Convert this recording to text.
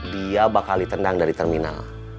dia bakal ditendang dari terminal